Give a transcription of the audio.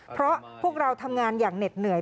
เพราะพวกเราทำงานอย่างเหน็ดเหนื่อย